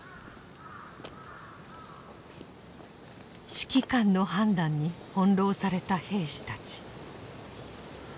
指揮官の判断に翻弄された兵士たち。